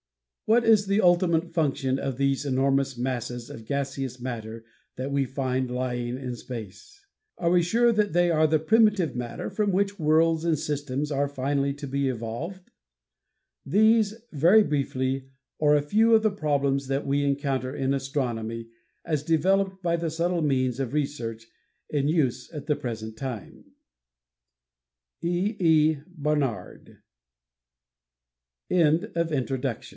What is the ultimate function of these enormous masses of gaseous matter that we find lying in space? Are we sure that they are the primitive matter from which worlds and systems are finally to be evolved ? These, very briefly, are a few of the problems that we encounter in astronomy as developed by the subtle means of research in use at the present time. E. E. Barnard.